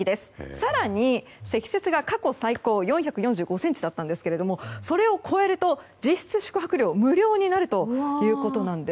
更に、積雪が過去最高で４４５ｃｍだったんですがそれを超えると実質宿泊料が無料になるということなんです。